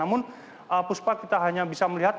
namun puspa kita hanya bisa melihat